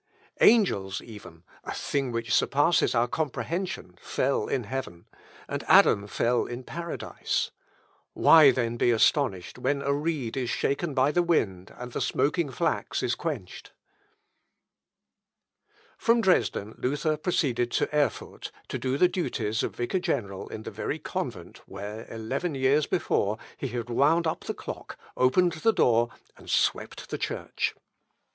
Angels even (a thing which surpasses our comprehension) fell in heaven, and Adam fell in paradise. Why then be astonished when a reed is shaken by the wind, and the smoking flax is quenched?" From Dresden, Luther proceeded to Erfurt, to do the duties of vicar general in the very convent where, eleven years before, he had wound up the clock, opened the door, and swept the Church.